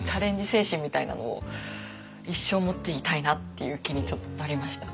精神みたいなのを一生持っていたいなっていう気にちょっとなりました。